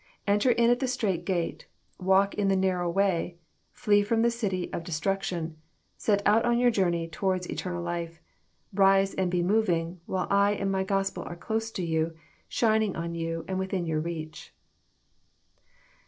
'* Enter in at the strait gate : walk in the narrow way : flee from the city of destruction : set out on your Journey towards eternal life : rise, and be moving, while I and my Gospel are close to you, shining on yon, and within your reach.